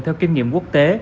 theo kinh nghiệm quốc tế